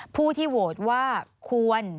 ผู้ที่โหวตว่าควร